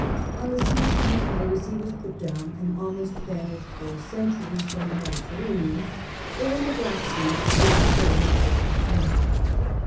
On the seas, too, piracy was put down, and almost banished for centuries from the Mediterranean, though in the Black Sea it was still a matter of complaint.